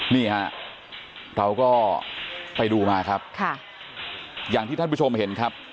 นี่ฮะเราก็ไปดูมาครับค่ะอย่างที่ท่านผู้ชมเห็นครับ